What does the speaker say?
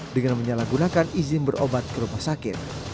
dengan menyalahgunakan izin berobat ke rumah sakit